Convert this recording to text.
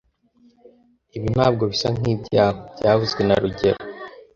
Ibi ntabwo bisa nkibyawe byavuzwe na rugero